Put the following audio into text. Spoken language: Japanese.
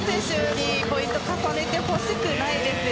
エレラにポイントを重ねてほしくないです。